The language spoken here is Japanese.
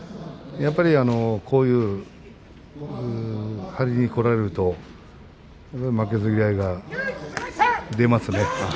やっぱり張りにこられると負けず嫌いが出ますね。